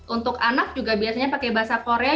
untuk anak juga biasanya pakai bahasa korea